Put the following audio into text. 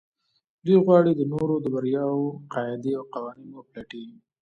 دوی غواړي د نورو د برياوو قاعدې او قوانين وپلټي.